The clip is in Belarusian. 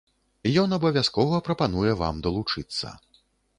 Ён абавязкова прапануе вам далучыцца.